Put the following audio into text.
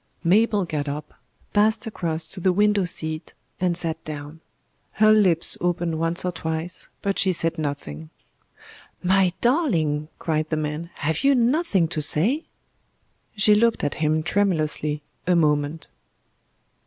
Mabel got up, passed across to the window seat, and sat down. Her lips opened once or twice, but she said nothing. "My darling," cried the man, "have you nothing to say?" She looked at him tremulously a moment.